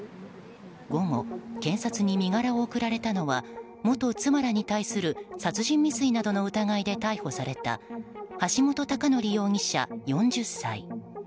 午後検察に身柄を送られたのは元妻らに対する殺人未遂などの疑いで逮捕された橋本崇載容疑者、４０歳。